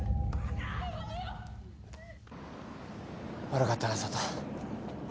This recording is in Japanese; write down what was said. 悪かったな佐都。